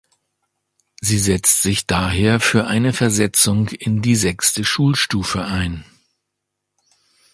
Sie setzt sich daher für eine Versetzung in die sechste Schulstufe ein.